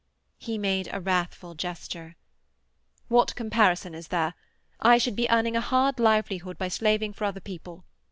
He made a wrathful gesture. "What comparison is there? I should be earning a hard livelihood by slaving for other people.